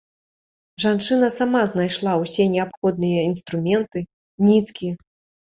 Жанчына сама знайшла ўсе неабходныя інструменты, ніткі.